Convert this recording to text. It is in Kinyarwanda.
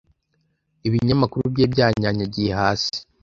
Ibinyamakuru byari byanyanyagiye hasi.